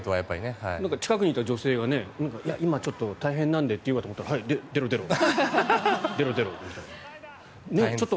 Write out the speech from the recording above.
近くにいた女性が今、ちょっと大変なんでと言うかと思ったら出ろ出ろって。